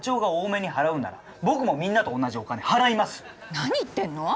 何言ってんの？